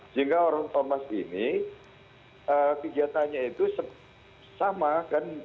sehingga orang thomas ini kegiatannya itu sama kan